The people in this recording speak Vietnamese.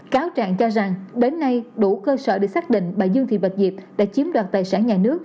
cáo trạng cho rằng đến nay đủ cơ sở để xác định bà dương thị bạch diệp đã chiếm đoạt tài sản nhà nước